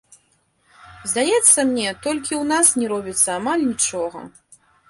Здаецца мне, толькі ў нас не робіцца амаль нічога.